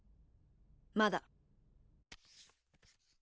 まだ。